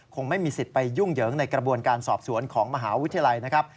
คงไม่มีสิทธิ์ไปยุ่งเหยิงในกระบวนการสอบสวนของมหาวิทยาลัยนะครับ